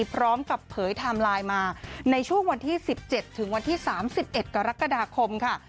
พร้อมกับเผยไทม์ไลน์มาในช่วงวันที่๑๗ถึงวันที่๓๑กรกฎาคมค่ะ